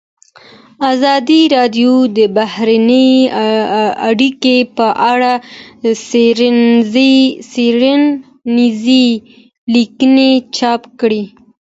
ازادي راډیو د بهرنۍ اړیکې په اړه څېړنیزې لیکنې چاپ کړي.